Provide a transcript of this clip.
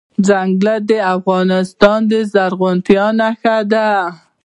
ځنګلونه د افغانستان د زرغونتیا نښه ده.